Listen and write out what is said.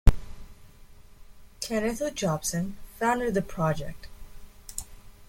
Kenneth O Jobson founded the Project.